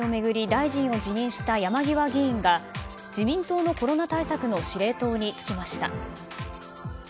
大臣を辞任した山際議員が自民党のコロナ対策の司令塔に就きました。